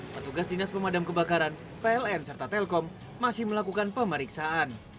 petugas dinas pemadam kebakaran pln serta telkom masih melakukan pemeriksaan